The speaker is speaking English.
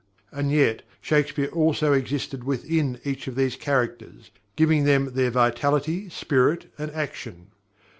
And yet, Shakespeare also existed within each of these characters, giving them their vitality, spirit, and action.